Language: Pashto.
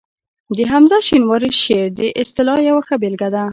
د حمزه شینواري شعر د اصطلاح یوه ښه بېلګه ده